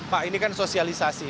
pak ini kan sosialisasi